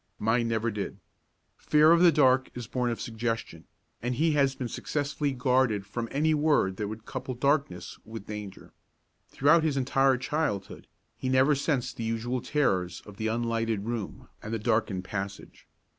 Mine never did. Fear of the dark is born of suggestion, and he has been successfully guarded from any word that would couple darkness with danger. Throughout his entire childhood he never sensed the usual terrors of the unlighted room and the darkened passage.